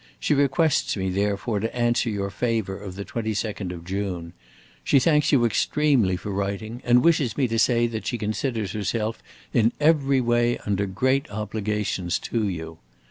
She requests me, therefore, to answer your favor of the 22d of June. She thanks you extremely for writing, and wishes me to say that she considers herself in every way under great obligations to you.